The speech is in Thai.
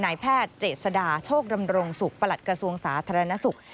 นายแพทย์เจษดาโชคดำรงสุขประหลัดกระทรวงสาธารณสุข